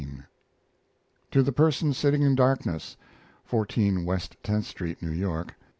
TO THE PERSON SITTING IN DARKNESS (14 West Tenth Street, New York) N.